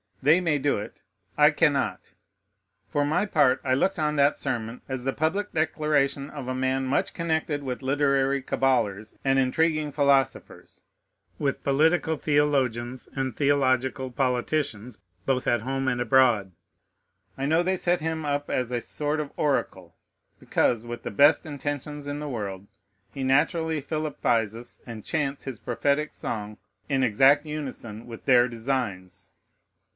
They may do it: I cannot. For my part, I looked on that sermon as the public declaration of a man much connected with literary caballers and intriguing philosophers, with political theologians and theological politicians, both at home and abroad. I know they set him up as a sort of oracle; because, with the best intentions in the world, he naturally philippizes, and chants his prophetic song in exact unison with their designs.